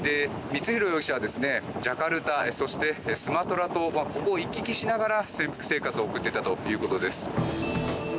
光弘容疑者はジャカルタそして、スマトラ島ここを行き来しながら潜伏生活を送っていたということです。